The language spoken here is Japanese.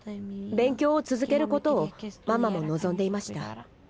勉強を続けることをママも望んでいました。